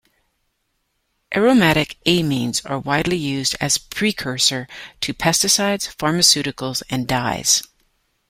Aromatic amines are widely used as precursor to pesticides, pharmaceuticals, and dyes.